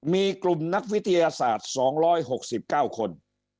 มีกลุ่มนักวิทยาศาสตร์๒๖๙คน